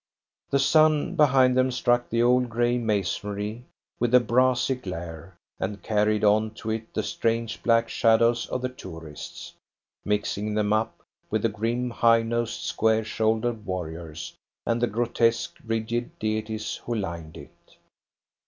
The sun behind them struck the old grey masonry with a brassy glare, and carried on to it the strange black shadows of the tourists, mixing them up with the grim, high nosed, square shouldered warriors, and the grotesque, rigid deities who lined it.